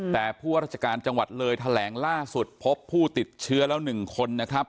แต่ผู้ราชการจังหวัดเลยแถลงล่าสุดพบผู้ติดเชื้อแล้ว๑คนนะครับ